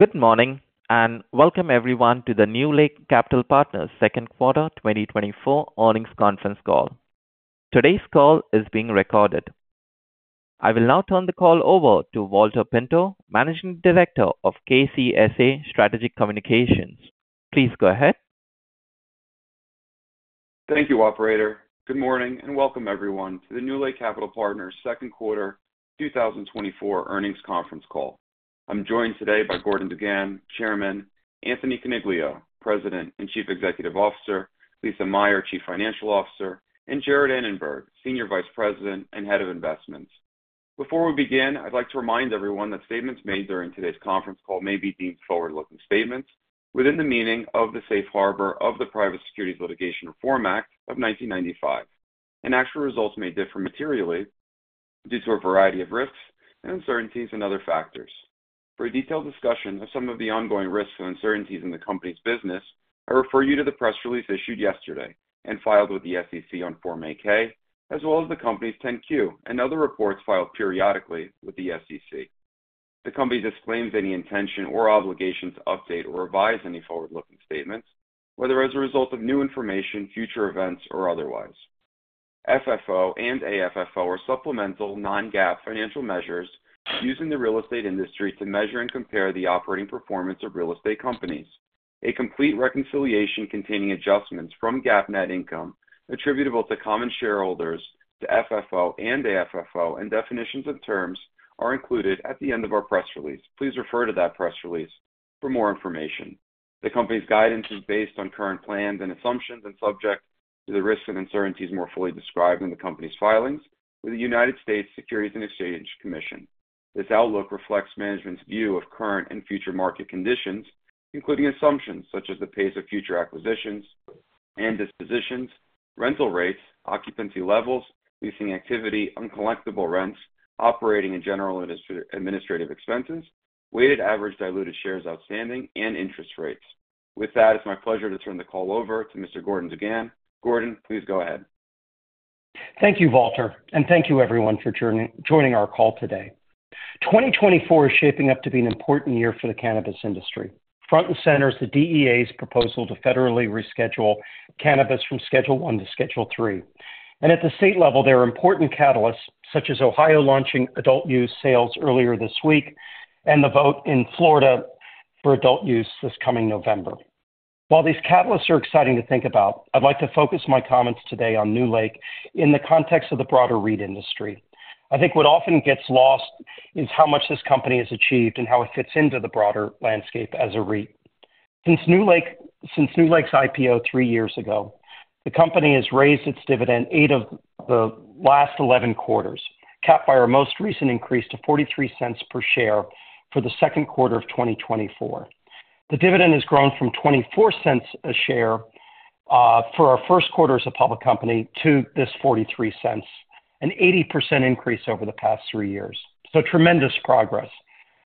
Good morning, and welcome everyone to the NewLake Capital Partners second quarter 2024 earnings conference call. Today's call is being recorded. I will now turn the call over to Valter Pinto, Managing Director of KCSA Strategic Communications. Please go ahead. Thank you, Operator. Good morning, and welcome everyone to the NewLake Capital Partners second quarter 2024 earnings conference call. I'm joined today by Gordon Dugan, Chairman; Anthony Coniglio, President and Chief Executive Officer; Lisa Meyer, Chief Financial Officer; and Jarrett Annenberg, Senior Vice President and Head of Investments. Before we begin, I'd like to remind everyone that statements made during today's conference call may be deemed forward-looking statements within the meaning of the safe harbor of the Private Securities Litigation Reform Act of 1995, and actual results may differ materially due to a variety of risks, uncertainties, and other factors. For a detailed discussion of some of the ongoing risks and uncertainties in the company's business, I refer you to the press release issued yesterday and filed with the SEC on Form 8-K, as well as the company's Form 10-Q and other reports filed periodically with the SEC. The company disclaims any intention or obligation to update or revise any forward-looking statements, whether as a result of new information, future events, or otherwise. FFO and AFFO are supplemental, non-GAAP financial measures used in the real estate industry to measure and compare the operating performance of real estate companies. A complete reconciliation containing adjustments from GAAP net income attributable to common shareholders to FFO and AFFO and definitions of terms are included at the end of our press release. Please refer to that press release for more information. The company's guidance is based on current plans and assumptions and subject to the risks and uncertainties more fully described in the company's filings with the United States Securities and Exchange Commission. This outlook reflects management's view of current and future market conditions, including assumptions such as the pace of future acquisitions and dispositions, rental rates, occupancy levels, leasing activity, uncollectible rents, operating and general administrative expenses, weighted average diluted shares outstanding, and interest rates. With that, it's my pleasure to turn the call over to Mr. Gordon Dugan. Gordon, please go ahead. Thank you, Valter, and thank you everyone for joining our call today. 2024 is shaping up to be an important year for the cannabis industry. Front and center is the DEA's proposal to federally reschedule cannabis from Schedule I to Schedule III. And at the state level, there are important catalysts such as Ohio launching adult use sales earlier this week and the vote in Florida for adult use this coming November. While these catalysts are exciting to think about, I'd like to focus my comments today on NewLake in the context of the broader REIT industry. I think what often gets lost is how much this company has achieved and how it fits into the broader landscape as a REIT. Since NewLake's IPO three years ago, the company has raised its dividend eight of the last 11 quarters, capped by our most recent increase to $0.43 per share for the second quarter of 2024. The dividend has grown from $0.24 a share for our first quarter as a public company to this $0.43, an 80% increase over the past three years. So, tremendous progress.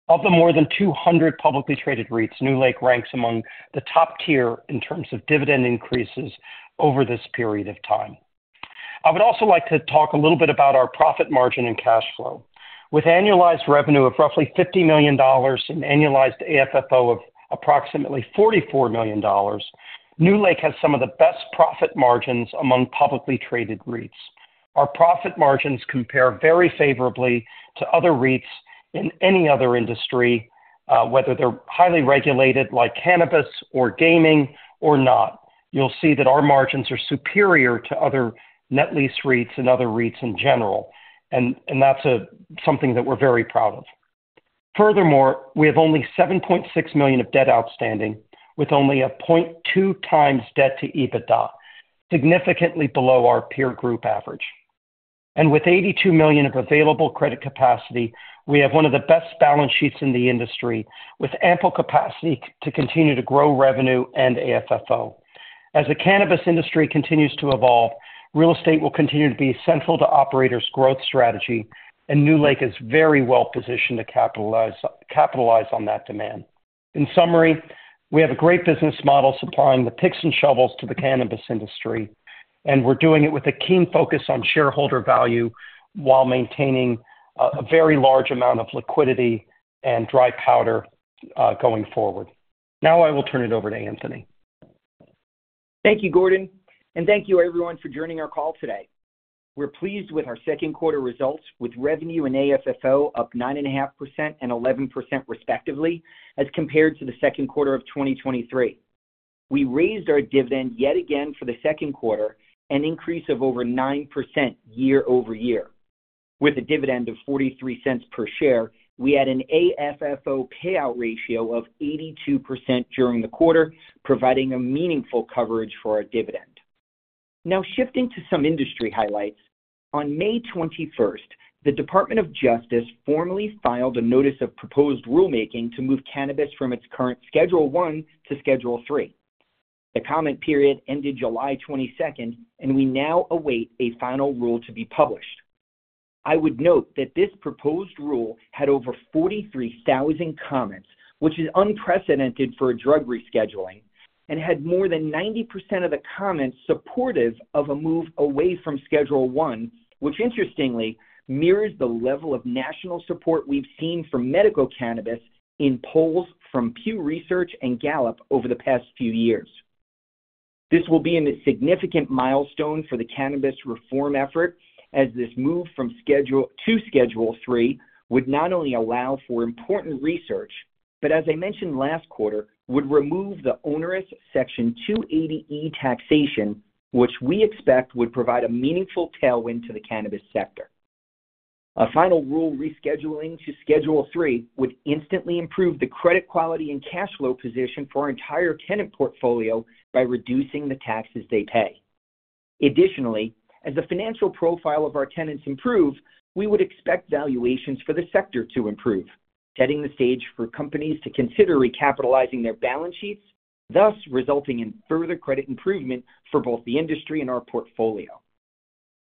Of the more than 200 publicly traded REITs, NewLake ranks among the top tier in terms of dividend increases over this period of time. I would also like to talk a little bit about our profit margin and cash flow. With annualized revenue of roughly $50 million and annualized AFFO of approximately $44 million, NewLake has some of the best profit margins among publicly traded REITs. Our profit margins compare very favorably to other REITs in any other industry, whether they're highly regulated like cannabis or gaming or not. You'll see that our margins are superior to other net lease REITs and other REITs in general, and that's something that we're very proud of. Furthermore, we have only $7.6 million of debt outstanding, with only a 0.2x debt-to-EBITDA, significantly below our peer group average. And with $82 million of available credit capacity, we have one of the best balance sheets in the industry, with ample capacity to continue to grow revenue and AFFO. As the cannabis industry continues to evolve, real estate will continue to be central to operators' growth strategy, and NewLake is very well positioned to capitalize on that demand. In summary, we have a great business model supplying the picks and shovels to the cannabis industry, and we're doing it with a keen focus on shareholder value while maintaining a very large amount of liquidity and dry powder going forward. Now I will turn it over to Anthony. Thank you, Gordon, and thank you everyone for joining our call today. We're pleased with our second quarter results, with revenue and AFFO up 9.5% and 11% respectively as compared to the second quarter of 2023. We raised our dividend yet again for the second quarter, an increase of over 9% year-over-year. With a dividend of $0.43 per share, we had an AFFO payout ratio of 82% during the quarter, providing a meaningful coverage for our dividend. Now shifting to some industry highlights, on May 21st, the Department of Justice formally filed a notice of proposed rulemaking to move cannabis from its current Schedule I to Schedule III. The comment period ended July 22nd, and we now await a final rule to be published. I would note that this proposed rule had over 43,000 comments, which is unprecedented for a drug rescheduling, and had more than 90% of the comments supportive of a move away from Schedule I, which interestingly mirrors the level of national support we've seen for medical cannabis in polls from Pew Research and Gallup over the past few years. This will be a significant milestone for the cannabis reform effort, as this move from Schedule II to Schedule III would not only allow for important research, but, as I mentioned last quarter, would remove the onerous Section 280E taxation, which we expect would provide a meaningful tailwind to the cannabis sector. A final rule rescheduling to Schedule III would instantly improve the credit quality and cash flow position for our entire tenant portfolio by reducing the taxes they pay. Additionally, as the financial profile of our tenants improves, we would expect valuations for the sector to improve, setting the stage for companies to consider recapitalizing their balance sheets, thus resulting in further credit improvement for both the industry and our portfolio.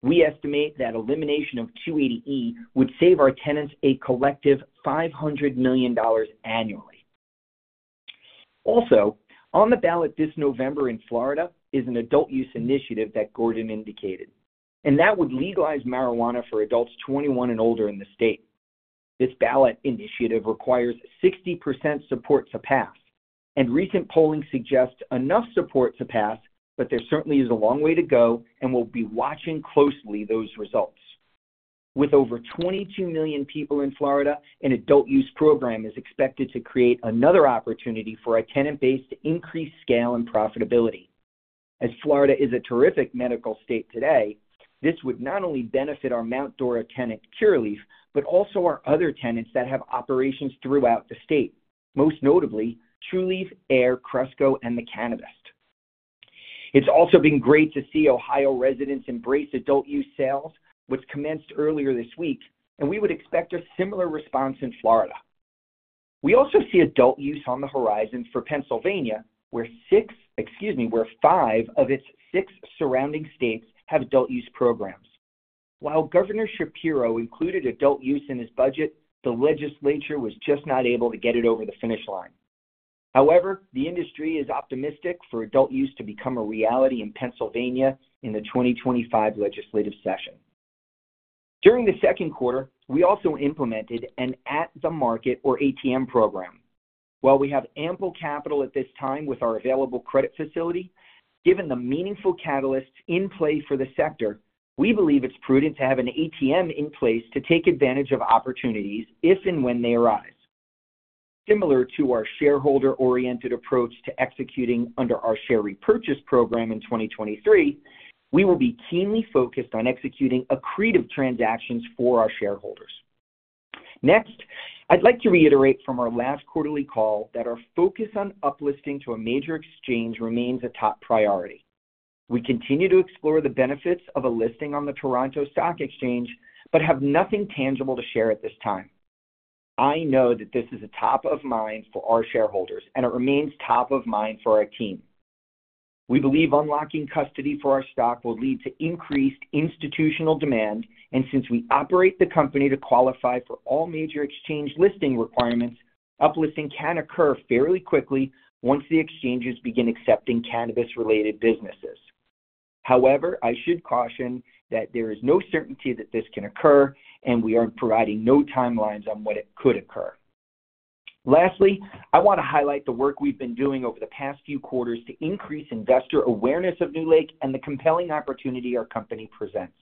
We estimate that elimination of 280E would save our tenants a collective $500 million annually. Also, on the ballot this November in Florida is an adult use initiative that Gordon indicated, and that would legalize marijuana for adults 21 and older in the state. This ballot initiative requires 60% support to pass, and recent polling suggests enough support to pass, but there certainly is a long way to go, and we'll be watching closely those results. With over 22 million people in Florida, an adult use program is expected to create another opportunity for our tenant base to increase scale and profitability. As Florida is a terrific medical state today, this would not only benefit our Mount Dora tenant Curaleaf, but also our other tenants that have operations throughout the state, most notably Trulieve, Ayr, Cresco, and The Cannabist. It's also been great to see Ohio residents embrace adult use sales, which commenced earlier this week, and we would expect a similar response in Florida. We also see adult use on the horizon for Pennsylvania, where six, excuse me, where five of its six surrounding states have adult use programs. While Governor Shapiro included adult use in his budget, the legislature was just not able to get it over the finish line. However, the industry is optimistic for adult use to become a reality in Pennsylvania in the 2025 legislative session. During the second quarter, we also implemented an at-the-market or ATM program. While we have ample capital at this time with our available credit facility, given the meaningful catalysts in play for the sector, we believe it's prudent to have an ATM in place to take advantage of opportunities if and when they arise. Similar to our shareholder-oriented approach to executing under our share repurchase program in 2023, we will be keenly focused on executing accretive transactions for our shareholders. Next, I'd like to reiterate from our last quarterly call that our focus on uplisting to a major exchange remains a top priority. We continue to explore the benefits of a listing on the Toronto Stock Exchange, but have nothing tangible to share at this time. I know that this is top of mind for our shareholders, and it remains top of mind for our team. We believe unlocking custody for our stock will lead to increased institutional demand, and since we operate the company to qualify for all major exchange listing requirements, uplisting can occur fairly quickly once the exchanges begin accepting cannabis-related businesses. However, I should caution that there is no certainty that this can occur, and we are providing no timelines on what it could occur. Lastly, I want to highlight the work we've been doing over the past few quarters to increase investor awareness of NewLake and the compelling opportunity our company presents.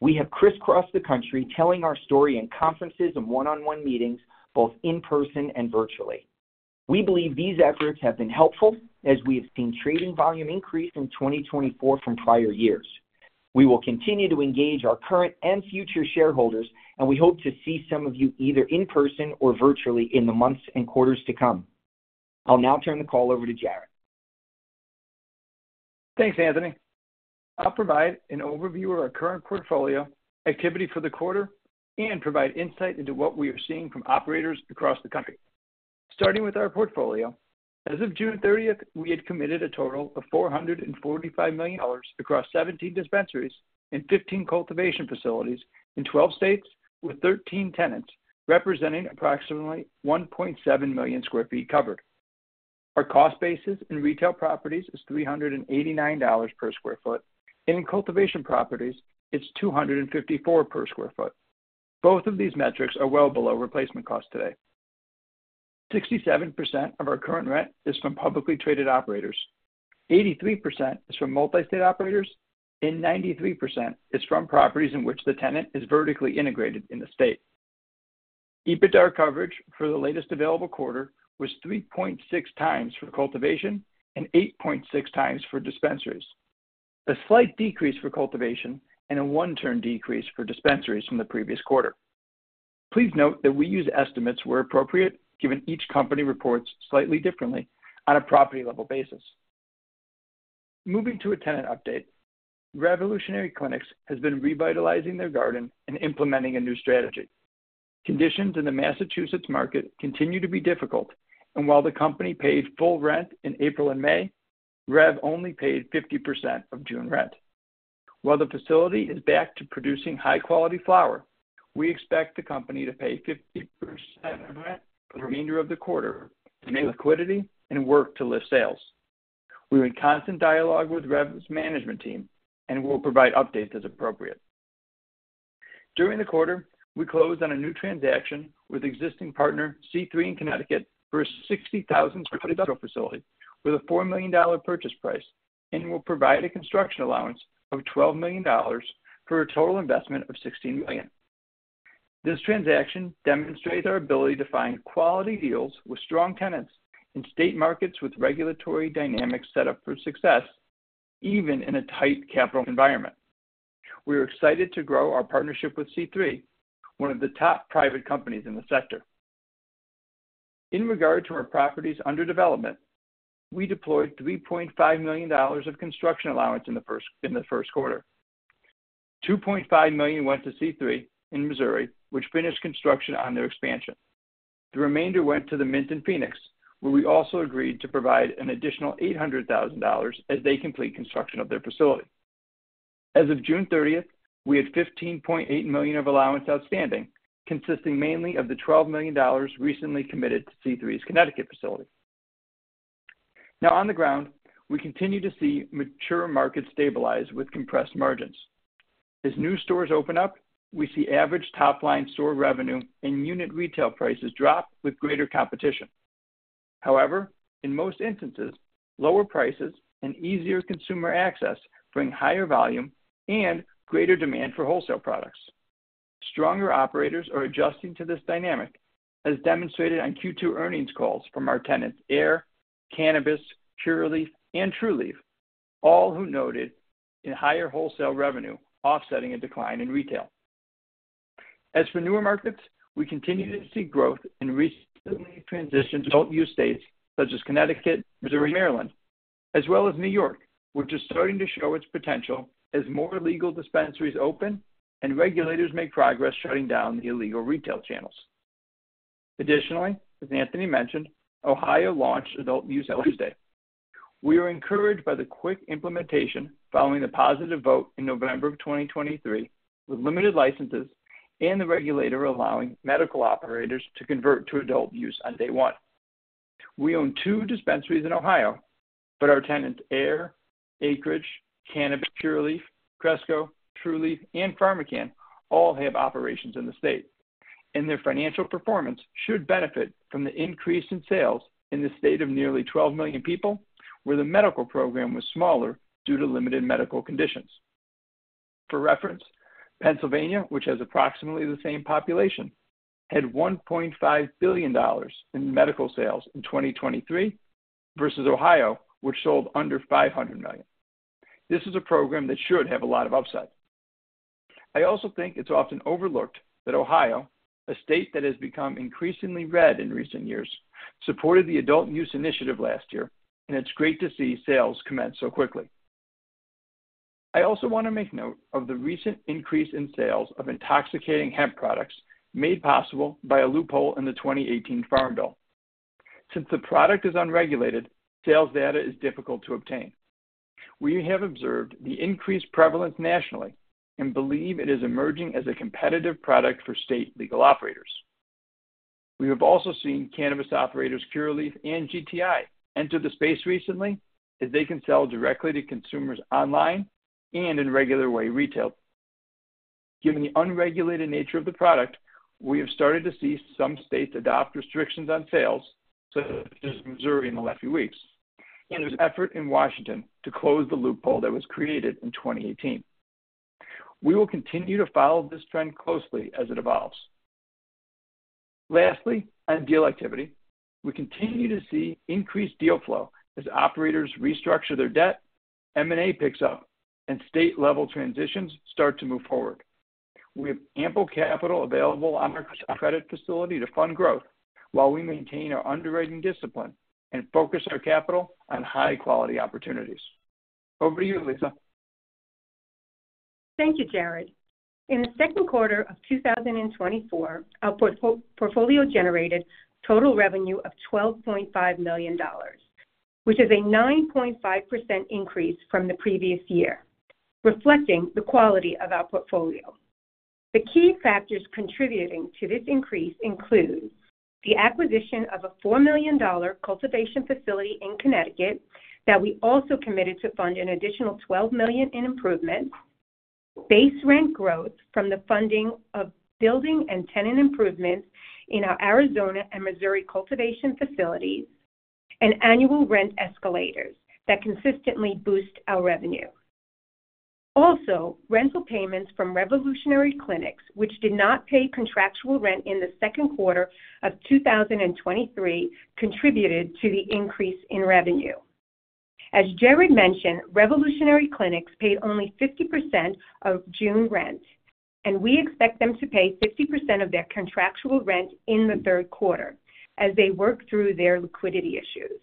We have crisscrossed the country telling our story in conferences and one-on-one meetings, both in person and virtually. We believe these efforts have been helpful, as we have seen trading volume increase in 2024 from prior years. We will continue to engage our current and future shareholders, and we hope to see some of you either in person or virtually in the months and quarters to come. I'll now turn the call over to Jarrett. Thanks, Anthony. I'll provide an overview of our current portfolio, activity for the quarter, and provide insight into what we are seeing from operators across the country. Starting with our portfolio, as of June 30th, we had committed a total of $445 million across 17 dispensaries and 15 cultivation facilities in 12 states with 13 tenants, representing approximately 1.7 million sq ft covered. Our cost basis in retail properties is $389 per sq ft, and in cultivation properties, it's $254 per sq ft. Both of these metrics are well below replacement costs today. 67% of our current rent is from publicly traded operators, 83% is from multi-state operators, and 93% is from properties in which the tenant is vertically integrated in the state. EBITDA coverage for the latest available quarter was 3.6x for cultivation and 8.6x for dispensaries, a slight decrease for cultivation and a one-turn decrease for dispensaries from the previous quarter. Please note that we use estimates where appropriate, given each company reports slightly differently on a property-level basis. Moving to a tenant update, Revolutionary Clinics has been revitalizing their garden and implementing a new strategy. Conditions in the Massachusetts market continue to be difficult, and while the company paid full rent in April and May, Rev only paid 50% of June rent. While the facility is back to producing high-quality flower, we expect the company to pay 50% of rent for the remainder of the quarter to make liquidity and work to lift sales. We're in constant dialogue with Rev's management team, and we'll provide updates as appropriate. During the quarter, we closed on a new transaction with existing partner C3 in Connecticut for a 60,000 sq ft facility with a $4 million purchase price, and we'll provide a construction allowance of $12 million for a total investment of $16 million. This transaction demonstrates our ability to find quality deals with strong tenants in state markets with regulatory dynamics set up for success, even in a tight capital environment. We are excited to grow our partnership with C3, one of the top private companies in the sector. In regard to our properties under development, we deployed $3.5 million of construction allowance in the first quarter. $2.5 million went to C3 in Missouri, which finished construction on their expansion. The remainder went to The Mint in Phoenix, where we also agreed to provide an additional $800,000 as they complete construction of their facility. As of June 30th, we had $15.8 million of allowance outstanding, consisting mainly of the $12 million recently committed to C3's Connecticut facility. Now, on the ground, we continue to see mature markets stabilize with compressed margins. As new stores open up, we see average top-line store revenue and unit retail prices drop with greater competition. However, in most instances, lower prices and easier consumer access bring higher volume and greater demand for wholesale products. Stronger operators are adjusting to this dynamic, as demonstrated on Q2 earnings calls from our tenants Ayr, The Cannabist, Curaleaf, and Trulieve, all who noted a higher wholesale revenue offsetting a decline in retail. As for newer markets, we continue to see growth in recently transitioned adult use states such as Connecticut, Missouri, Maryland, as well as New York, which is starting to show its potential as more legal dispensaries open and regulators make progress shutting down the illegal retail channels. Additionally, as Anthony mentioned, Ohio launched Adult Use Eligible Day. We are encouraged by the quick implementation following the positive vote in November of 2023, with limited licenses and the regulator allowing medical operators to convert to adult use on day one. We own two dispensaries in Ohio, but our tenants Ayr, Acreage, Cannabist, Curaleaf, Cresco, Trulieve, and PharmaCann all have operations in the state, and their financial performance should benefit from the increase in sales in the state of nearly 12 million people, where the medical program was smaller due to limited medical conditions. For reference, Pennsylvania, which has approximately the same population, had $1.5 billion in medical sales in 2023 versus Ohio, which sold under $500 million. This is a program that should have a lot of upside. I also think it's often overlooked that Ohio, a state that has become increasingly red in recent years, supported the adult use initiative last year, and it's great to see sales commence so quickly. I also want to make note of the recent increase in sales of intoxicating hemp products made possible by a loophole in the 2018 Farm Bill. Since the product is unregulated, sales data is difficult to obtain. We have observed the increased prevalence nationally and believe it is emerging as a competitive product for state legal operators. We have also seen cannabis operators Curaleaf and GTI enter the space recently, as they can sell directly to consumers online and in regular way retail. Given the unregulated nature of the product, we have started to see some states adopt restrictions on sales, such as Missouri in the last few weeks, and there's effort in Washington to close the loophole that was created in 2018. We will continue to follow this trend closely as it evolves. Lastly, on deal activity, we continue to see increased deal flow as operators restructure their debt, M&A picks up, and state-level transitions start to move forward. We have ample capital available on our credit facility to fund growth while we maintain our underwriting discipline and focus our capital on high-quality opportunities. Over to you, Lisa. Thank you, Jarrett. In the second quarter of 2024, our portfolio generated total revenue of $12.5 million, which is a 9.5% increase from the previous year, reflecting the quality of our portfolio. The key factors contributing to this increase include the acquisition of a $4 million cultivation facility in Connecticut that we also committed to fund an additional $12 million in improvements, base rent growth from the funding of building and tenant improvements in our Arizona and Missouri cultivation facilities, and annual rent escalators that consistently boost our revenue. Also, rental payments from Revolutionary Clinics, which did not pay contractual rent in the second quarter of 2023, contributed to the increase in revenue. As Jarrett mentioned, Revolutionary Clinics paid only 50% of June rent, and we expect them to pay 50% of their contractual rent in the third quarter as they work through their liquidity issues.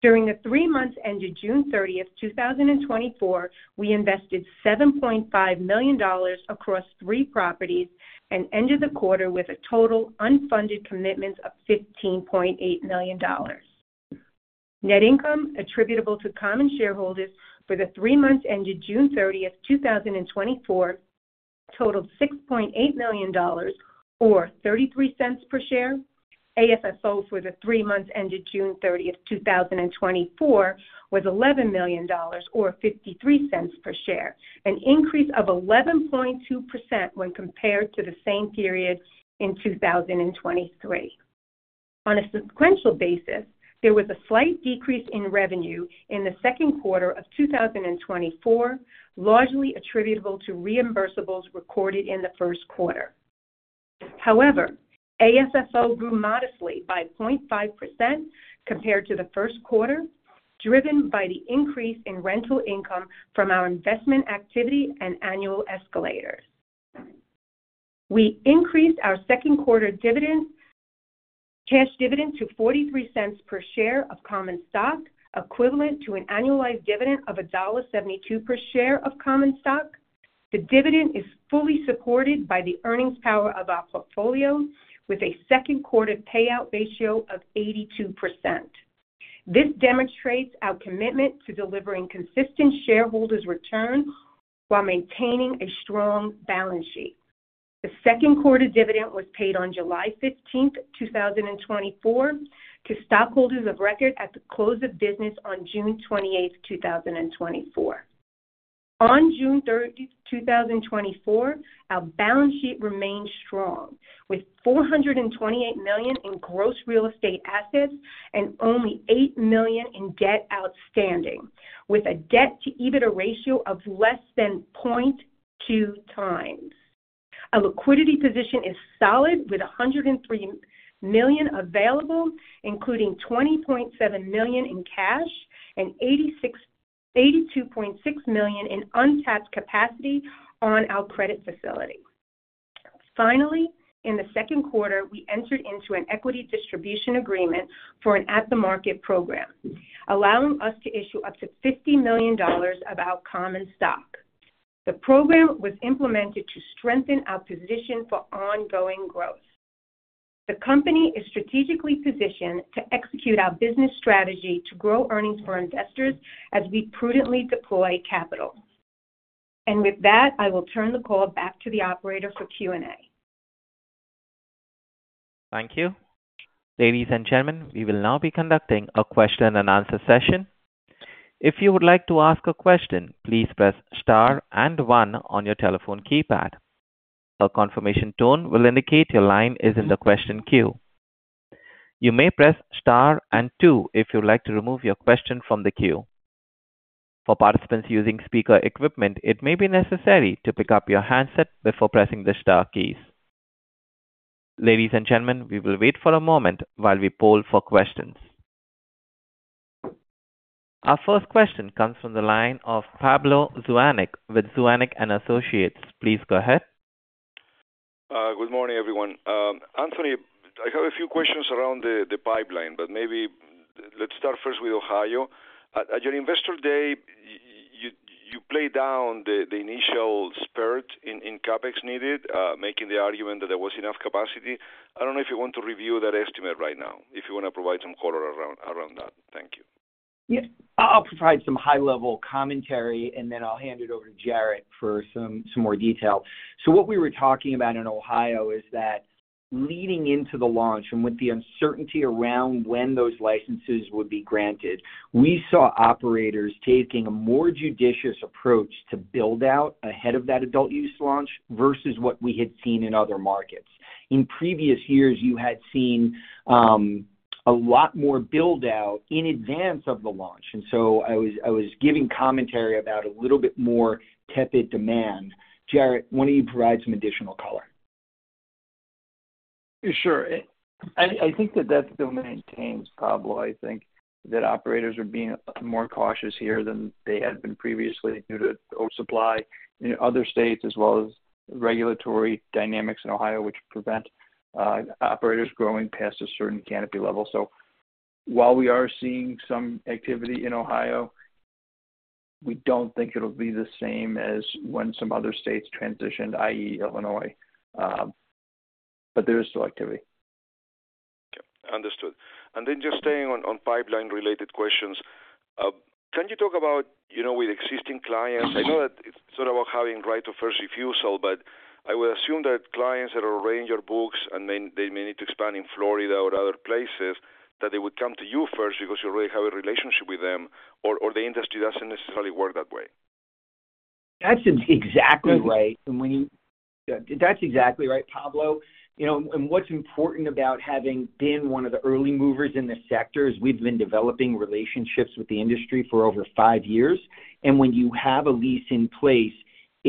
During the three months ended June 30th, 2024, we invested $7.5 million across three properties and ended the quarter with a total unfunded commitments of $15.8 million. Net income attributable to common shareholders for the three months ended June 30th, 2024, totaled $6.8 million or $0.33 per share. AFFO for the three months ended June 30th, 2024, was $11 million or $0.53 per share, an increase of 11.2% when compared to the same period in 2023. On a sequential basis, there was a slight decrease in revenue in the second quarter of 2024, largely attributable to reimbursables recorded in the first quarter. However, AFFO grew modestly by 0.5% compared to the first quarter, driven by the increase in rental income from our investment activity and annual escalators. We increased our second quarter cash dividend to $0.43 per share of common stock, equivalent to an annualized dividend of $1.72 per share of common stock. The dividend is fully supported by the earnings power of our portfolio, with a second quarter payout ratio of 82%. This demonstrates our commitment to delivering consistent shareholders' return while maintaining a strong balance sheet. The second quarter dividend was paid on July 15th, 2024, to stockholders of record at the close of business on June 28th, 2024. On June 30th, 2024, our balance sheet remained strong, with $428 million in gross real estate assets and only $8 million in debt outstanding, with a debt-to-EBITDA ratio of less than 0.2x. Our liquidity position is solid, with $103 million available, including $20.7 million in cash and $82.6 million in untapped capacity on our credit facility. Finally, in the second quarter, we entered into an equity distribution agreement for an at-the-market program, allowing us to issue up to $50 million of our common stock. The program was implemented to strengthen our position for ongoing growth. The company is strategically positioned to execute our business strategy to grow earnings for investors as we prudently deploy capital. With that, I will turn the call back to the Operator for Q&A. Thank you. Ladies and gentlemen, we will now be conducting a question-and-answer session. If you would like to ask a question, please press star and one on your telephone keypad. A confirmation tone will indicate your line is in the question queue. You may press star and two if you'd like to remove your question from the queue. For participants using speaker equipment, it may be necessary to pick up your handset before pressing the star keys. Ladies and gentlemen, we will wait for a moment while we poll for questions. Our first question comes from the line of Pablo Zuanic with Zuanic & Associates. Please go ahead. Good morning, everyone. Anthony, I have a few questions around the pipeline, but maybe let's start first with Ohio. At your investor day, you played down the initial spurt in CapEx needed, making the argument that there was enough capacity. I don't know if you want to review that estimate right now, if you want to provide some color around that. Thank you. Yeah, I'll provide some high-level commentary, and then I'll hand it over to Jarrett for some more detail. So what we were talking about in Ohio is that leading into the launch and with the uncertainty around when those licenses would be granted, we saw operators taking a more judicious approach to build out ahead of that adult use launch versus what we had seen in other markets. In previous years, you had seen a lot more build-out in advance of the launch. And so I was giving commentary about a little bit more tepid demand. Jarrett, why don't you provide some additional color? Sure. I think that that's still maintained, Pablo. I think that operators are being more cautious here than they had been previously due to oversupply in other states, as well as regulatory dynamics in Ohio, which prevent operators growing past a certain canopy level. So while we are seeing some activity in Ohio, we don't think it'll be the same as when some other states transitioned, i.e., Illinois. But there is still activity. Understood. And then just staying on pipeline-related questions, can you talk about with existing clients? I know that it's sort of about having right of first refusal, but I would assume that clients that are arranged or books, and they may need to expand in Florida or other places, that they would come to you first because you already have a relationship with them, or the industry doesn't necessarily work that way. That's exactly right. That's exactly right, Pablo. And what's important about having been one of the early movers in the sector is we've been developing relationships with the industry for over five years. And when you have a lease in place,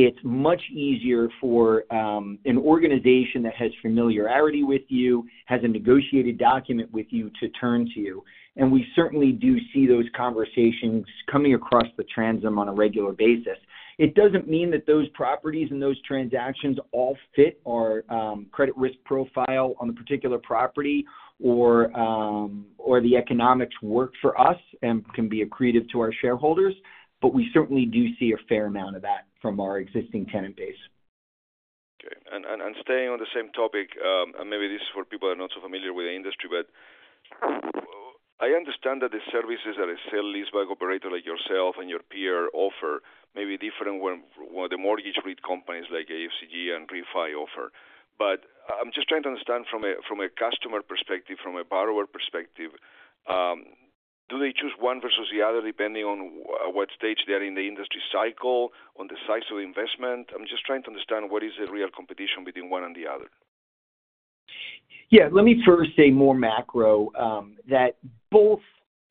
it's much easier for an organization that has familiarity with you, has a negotiated document with you to turn to you. And we certainly do see those conversations coming across the transom on a regular basis. It doesn't mean that those properties and those transactions all fit our credit risk profile on the particular property or the economics work for us and can be accretive to our shareholders, but we certainly do see a fair amount of that from our existing tenant base. Okay. And staying on the same topic, and maybe this is for people that are not so familiar with the industry, but I understand that the services that are still leased by operators like yourself and your peer offer may be different from what the mortgage rate companies like AFCG and REFI offer. But I'm just trying to understand from a customer perspective, from a borrower perspective, do they choose one versus the other depending on what stage they are in the industry cycle, on the size of investment? I'm just trying to understand what is the real competition between one and the other. Yeah. Let me first say more macro that both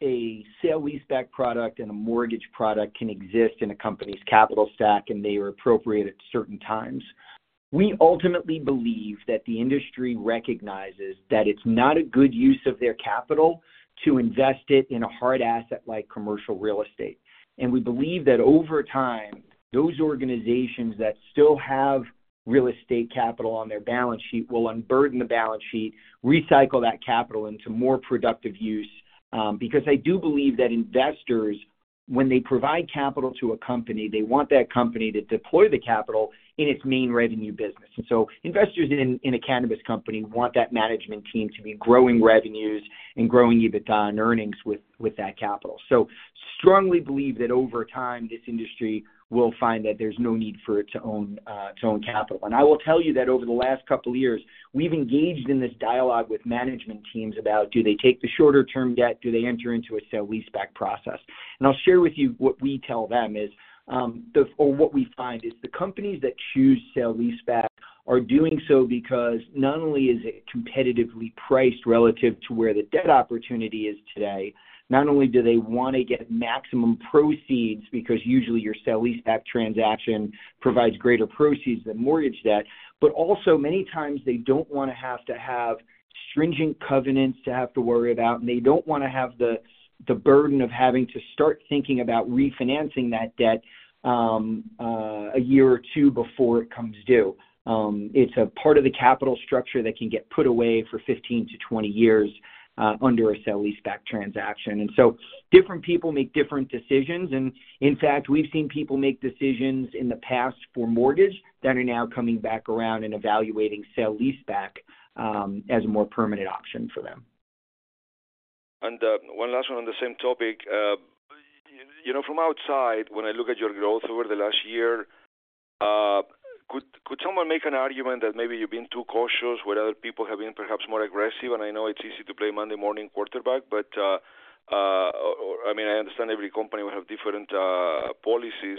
a sale-leaseback product and a mortgage product can exist in a company's capital stack, and they are appropriate at certain times. We ultimately believe that the industry recognizes that it's not a good use of their capital to invest it in a hard asset like commercial real estate. We believe that over time, those organizations that still have real estate capital on their balance sheet will unburden the balance sheet, recycle that capital into more productive use. Because I do believe that investors, when they provide capital to a company, they want that company to deploy the capital in its main revenue business. So investors in a cannabis company want that management team to be growing revenues and growing EBITDA and earnings with that capital. So strongly believe that over time, this industry will find that there's no need for it to own capital. And I will tell you that over the last couple of years, we've engaged in this dialogue with management teams about do they take the shorter-term debt, do they enter into a sale-leaseback process. I'll share with you what we tell them is, or what we find is the companies that choose sale-leaseback are doing so because not only is it competitively priced relative to where the debt opportunity is today, not only do they want to get maximum proceeds because usually your sale-leaseback transaction provides greater proceeds than mortgage debt, but also many times they don't want to have to have stringent covenants to have to worry about, and they don't want to have the burden of having to start thinking about refinancing that debt a year or two before it comes due. It's a part of the capital structure that can get put away for 15-20 years under a sale-leaseback transaction. And so different people make different decisions. In fact, we've seen people make decisions in the past for mortgage that are now coming back around and evaluating sale-leaseback as a more permanent option for them. One last one on the same topic. From outside, when I look at your growth over the last year, could someone make an argument that maybe you've been too cautious where other people have been perhaps more aggressive? I know it's easy to play Monday morning quarterback, but I mean, I understand every company will have different policies.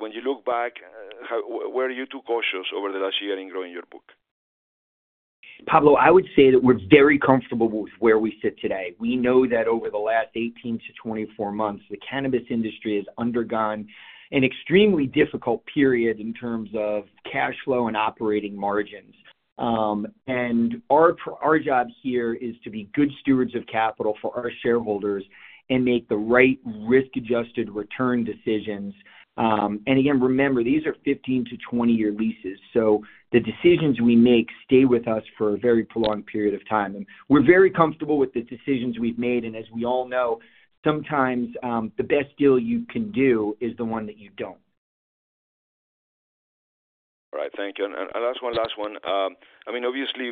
When you look back, where are you too cautious over the last year in growing your book? Pablo, I would say that we're very comfortable with where we sit today. We know that over the last 18-24 months, the cannabis industry has undergone an extremely difficult period in terms of cash flow and operating margins. Our job here is to be good stewards of capital for our shareholders and make the right risk-adjusted return decisions. Again, remember, these are 15-20-year leases. The decisions we make stay with us for a very prolonged period of time. We're very comfortable with the decisions we've made. As we all know, sometimes the best deal you can do is the one that you don't. All right. Thank you. And last one, last one. I mean, obviously,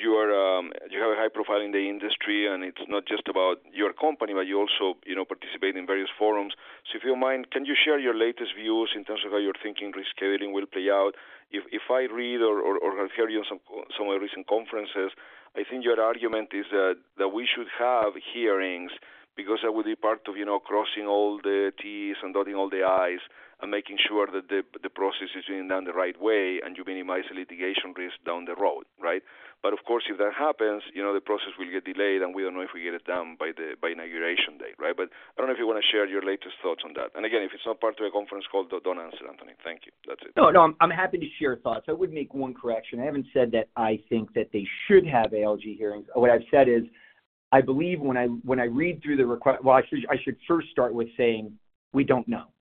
you have a high profile in the industry, and it's not just about your company, but you also participate in various forums. So if you don't mind, can you share your latest views in terms of how you're thinking rescheduling will play out? If I read or have heard you in some of the recent conferences, I think your argument is that we should have hearings because that would be part of crossing all the T's and dotting all the I's and making sure that the process is being done the right way and you minimize the litigation risk down the road, right? But of course, if that happens, the process will get delayed, and we don't know if we get it done by inauguration date, right? But I don't know if you want to share your latest thoughts on that. And again, if it's not part of a conference call, don't answer, Anthony. Thank you. That's it. No, no. I'm happy to share thoughts. I would make one correction. I haven't said that I think that they should have ALJ hearings. What I've said is I believe when I read through the request, well, I should first start with saying we don't know.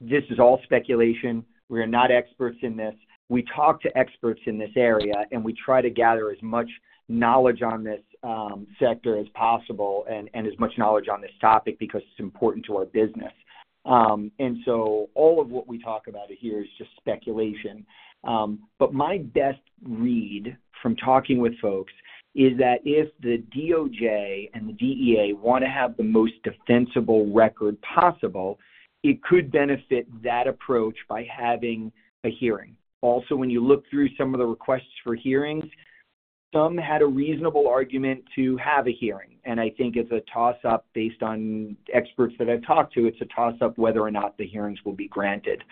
This is all speculation. We are not experts in this. We talk to experts in this area, and we try to gather as much knowledge on this sector as possible and as much knowledge on this topic because it's important to our business. And so all of what we talk about here is just speculation. But my best read from talking with folks is that if the DOJ and the DEA want to have the most defensible record possible, it could benefit that approach by having a hearing. Also, when you look through some of the requests for hearings, some had a reasonable argument to have a hearing. I think it's a toss-up based on experts that I've talked to. It's a toss-up whether or not the hearings will be granted.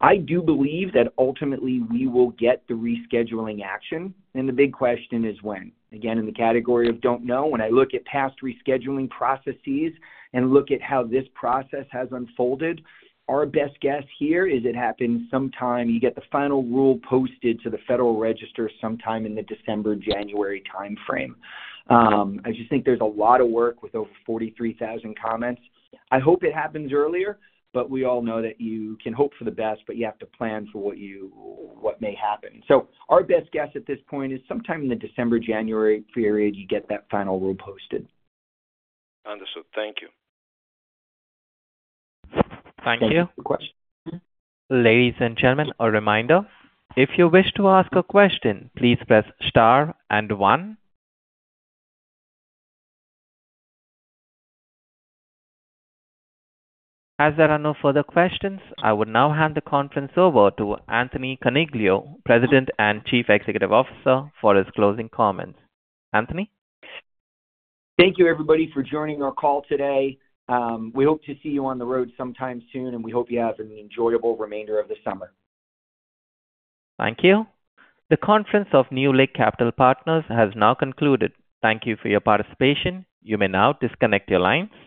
I do believe that ultimately we will get the rescheduling action. The big question is when. Again, in the category of don't know, when I look at past rescheduling processes and look at how this process has unfolded, our best guess here is it happens sometime you get the final rule posted to the Federal Register sometime in the December, January timeframe. I just think there's a lot of work with over 43,000 comments. I hope it happens earlier, but we all know that you can hope for the best, but you have to plan for what may happen. Our best guess at this point is sometime in the December, January period you get that final rule posted. Understood. Thank you. Thank you. Thank you for the question. Ladies and gentlemen, a reminder. If you wish to ask a question, please press Star and 1. As there are no further questions, I will now hand the conference over to Anthony Coniglio, President and Chief Executive Officer, for his closing comments. Anthony? Thank you, everybody, for joining our call today. We hope to see you on the road sometime soon, and we hope you have an enjoyable remainder of the summer. Thank you. The conference of NewLake Capital Partners has now concluded. Thank you for your participation. You may now disconnect your lines.